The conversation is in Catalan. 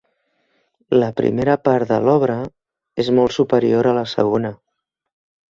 La primera part de l'obra és molt superior a la segona.